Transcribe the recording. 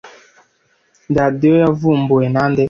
Radiyo yavumbuwe nande?